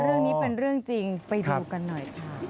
เรื่องนี้เป็นเรื่องจริงไปดูกันหน่อยค่ะ